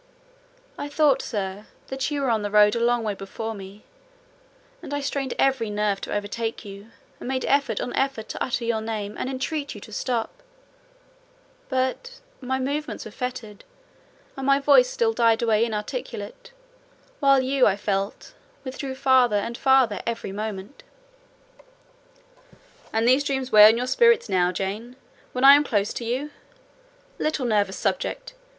I thought, sir, that you were on the road a long way before me; and I strained every nerve to overtake you, and made effort on effort to utter your name and entreat you to stop—but my movements were fettered, and my voice still died away inarticulate; while you, I felt, withdrew farther and farther every moment." "And these dreams weigh on your spirits now, Jane, when I am close to you? Little nervous subject!